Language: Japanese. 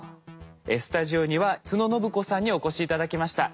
スタジオには都野展子さんにお越し頂きました。